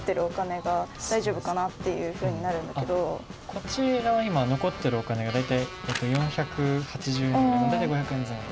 こちら今残っているお金が大体４８０円ぐらい大体５００円前後。